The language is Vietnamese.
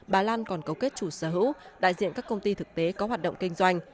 bà lan còn cấu kết chủ sở hữu đại diện các công ty thực tế có hoạt động kinh doanh